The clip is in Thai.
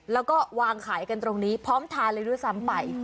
แล้วก็วางขายกันตรงนี้พร้อมทานเลยด้วยซ้ำไป